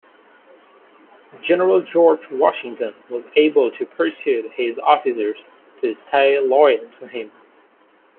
General George Washington was able to persuade his officers to stay loyal to him.